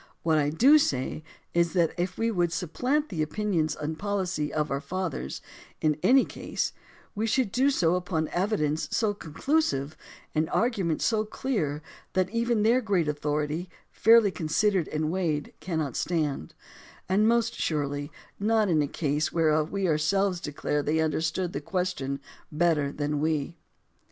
What I do say is that if we would supplant the opinions and policy of our fathers in any case, we should do so upon evidence so conclusive, and argument so clear, that even their great authority, fairly considered and weighed, cannot stand: and most surely not in a case whereof we ourselves de clare they understood the question better than we.